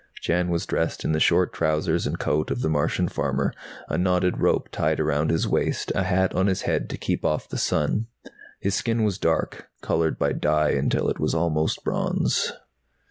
Jan was dressed in the short trousers and coat of the Martian farmer, a knotted rope tied around his waist, a hat on his head to keep off the sun. His skin was dark, colored by dye until it was almost bronze.